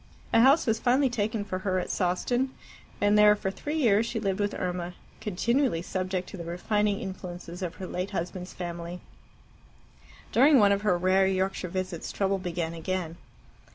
A house was finally taken for her at Sawston, and there for three years she lived with Irma, continually subject to the refining influences of her late husband's family. During one of her rare Yorkshire visits trouble began again.